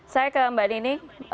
saya ke mbak nining